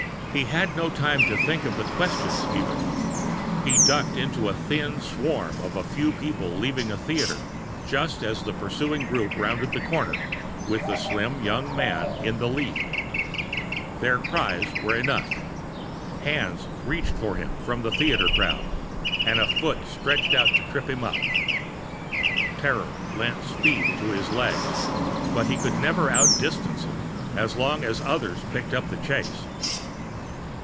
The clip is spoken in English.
He had no time to think of the questions, even. He ducked into the thin swarm of a few people leaving a theater just as the pursuing group rounded the corner, with the slim young man in the lead. Their cries were enough. Hands reached for him from the theater crowd, and a foot stretched out to trip him up. Terror lent speed to his legs, but he could never outdistance them, as long as others picked up the chase.